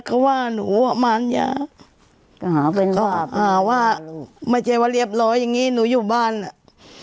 เขาว่าหนูประมาณอย่างว่าไม่ใช่ว่าเรียบร้อยอย่างงี้หนูอยู่บ้านอ่ะ